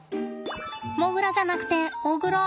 モグラじゃなくてオグロ。